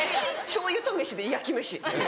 しょうゆと飯で焼き飯。